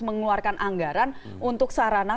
mengeluarkan anggaran untuk sarana